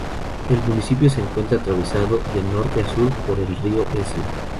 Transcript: El municipio se encuentra atravesado de norte a sur por el río Esla.